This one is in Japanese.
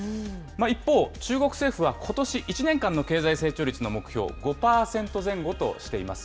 一方、中国政府はことし１年間の経済成長率の目標、５％前後としています。